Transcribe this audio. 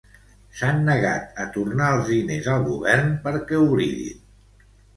S'han negat a tornar els diners al Govern perquè oblidin.